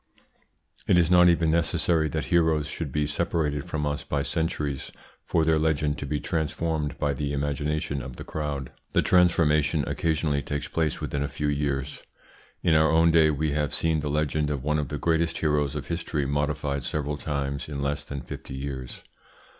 It is not even necessary that heroes should be separated from us by centuries for their legend to be transformed by the imagination of the crowd. The transformation occasionally takes place within a few years. In our own day we have seen the legend of one of the greatest heroes of history modified several times in less than fifty years.